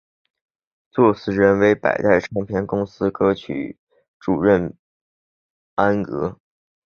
作词人为百代唱片公司歌曲部主任安娥。